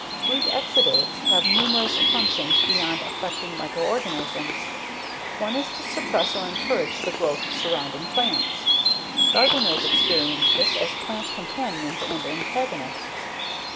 Root exudates have numerous functions beyond affecting microorganisms. One is to suppress or encourage the growth of surrounding plants Gardeners experience this as plant companions and antagonists.